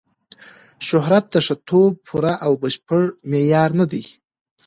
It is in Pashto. شهرت د ښه توب پوره او بشپړ معیار نه دی.